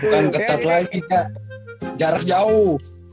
bukan ketat lagi ya jarak jauh